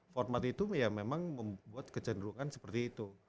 format itu ya memang membuat kecenderungan seperti itu